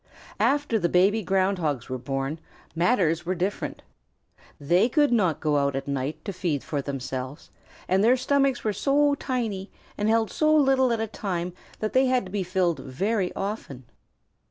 After the baby Ground Hogs were born, matters were different. They could not go out at night to feed for themselves, and their stomachs were so tiny and held so little at a time that they had to be filled very often.